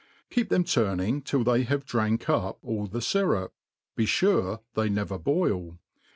Keep them turning till they have drank up the fyrup ; be lure they never boil.